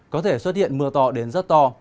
có thể xuất hiện mưa to đến rất to